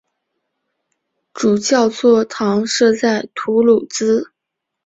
主教座堂设在图卢兹。